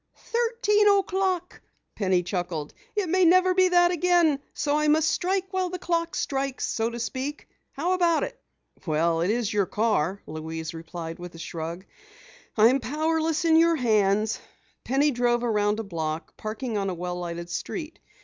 "Thirteen o'clock!" Penny chuckled. "It may never be that again, so I must strike while the clock strikes, so to speak. How about it?" "Well, it's your car," Louise replied with a shrug. "I'm powerless in your hands." Penny drove around a block, parking on a well lighted street.